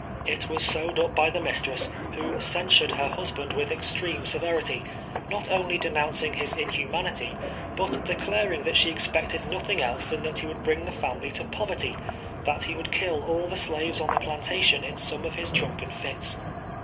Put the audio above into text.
It was sewed up by the mistress, who censured her husband with extreme severity, not only denouncing his inhumanity, but declaring that she expected nothing else than that he would bring the family to poverty — that he would kill all the slaves on the plantation in some of his drunken fits.